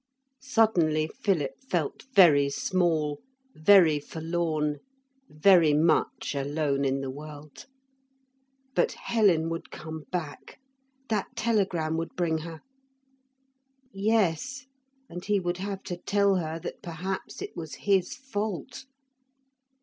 Suddenly Philip felt very small, very forlorn, very much alone in the world. But Helen would come back. That telegram would bring her. Yes. And he would have to tell her that perhaps it was his fault.